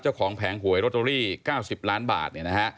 เจ้าของแผงหวยโรตตอรี่๙๐ล้านบาท